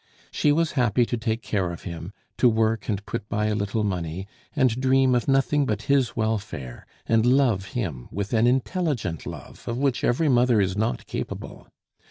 She was happy to take care of him, to work and put by a little money, and dream of nothing but his welfare, and love him with an intelligent love of which every mother is not capable.